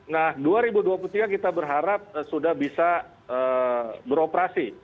nah dua ribu dua puluh tiga kita berharap sudah bisa beroperasi